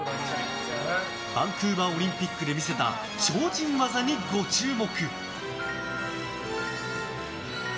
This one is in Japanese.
バンクーバーオリンピックで見せた、超人技にご注目。